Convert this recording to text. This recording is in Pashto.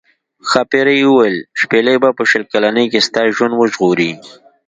ښاپیرۍ وویل شپیلۍ به په شل کلنۍ کې ستا ژوند وژغوري.